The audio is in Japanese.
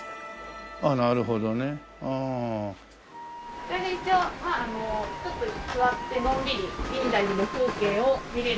こちらで一応ちょっと座ってのんびり深大寺の風景を見れる。